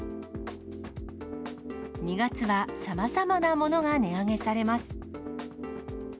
２月はさまざまなものが値上げされます。